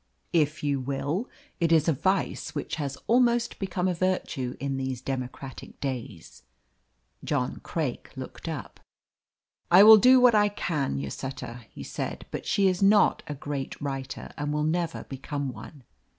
"If you will. It is a vice which has almost become a virtue in these democratic days." John Craik looked up. "I will do what I can, Lloseta," he said. "But she is not a great writer, and will never become one."